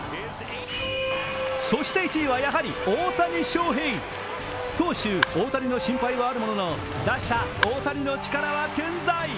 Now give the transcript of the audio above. そして１位は、やはり大谷翔平。投手・大谷の心配はあるものの打者・大谷の力は健在！